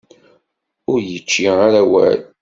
Ur yečči ara awal.